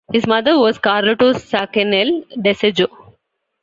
His mother was Carlota Sacanell Desojo.